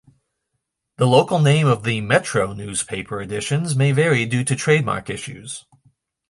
The local name of the "Metro" newspaper editions may vary due to trademark issues.